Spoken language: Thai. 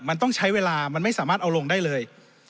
มันต้องใช้เวลามันไม่สามารถเอาลงได้เลย